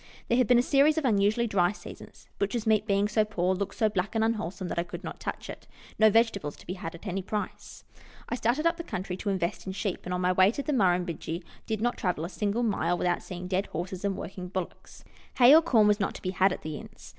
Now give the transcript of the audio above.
There had been a series of unusually dry seasons ; butcher's meat being so poor, looked so black and unwholesome that I could not touch it. No vegetables to be had at any price. I started up the country to invest in sheep, and on my way to the Murrumbidgee did not travel a single mile without seeing dead horses and working bullocks. Hay or corn was not to be had at the inns.